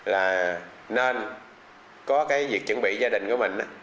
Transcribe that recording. là nên có cái việc chuẩn bị gia đình của mình